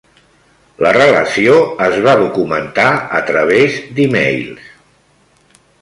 La relació es va documentar a través d'e-mails